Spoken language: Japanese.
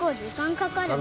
かかるね。